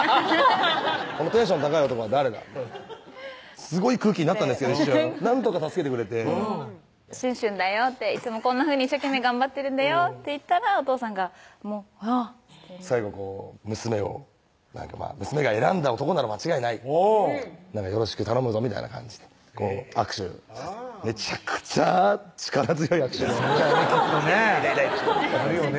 「このテンション高い男は誰だ？」みたいなすごい空気になったんですけど一瞬なんとか助けてくれて「しゅんしゅんだよ」って「いつもこんなふうに一生懸命頑張ってるんだよ」って言ったらお父さんが「あぁ」って最後こう「娘が選んだ男なら間違いない」「よろしく頼むぞ」みたいな感じで握手してめちゃくちゃ力強い握手できっとねなるよねぇ